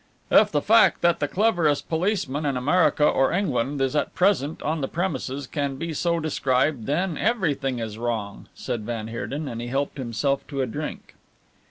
"If the fact that the cleverest policeman in America or England is at present on the premises can be so described, then everything is wrong," said van Heerden, and helped himself to a drink.